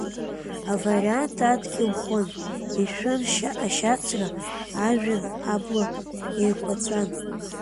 Авариант адгьыл хәын, ишәын ашьацра, ажәҩан абла еиқәаҵәан.